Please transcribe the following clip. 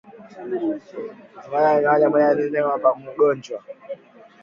Husambazwa pale mnyama mmoja mzima kiafya anapogusana na mwingine mgonjwa